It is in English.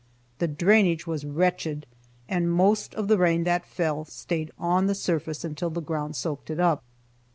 The drainage was wretched, and the most of the rain that fell stayed on the surface until the ground soaked it up.